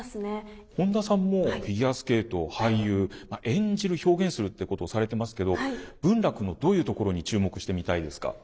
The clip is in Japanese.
本田さんもフィギュアスケート俳優演じる表現するってことをされてますけど文楽のどういうところに注目して見たいですか？